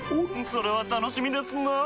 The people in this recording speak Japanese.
それは楽しみですなぁ。